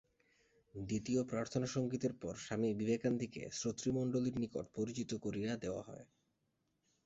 দ্বিতীয় প্রার্থনা সঙ্গীতের পর স্বামী বিবেকান্দিকে শ্রোতৃমণ্ডলীর নিকট পরিচিত করিয়া দেওয়া হয়।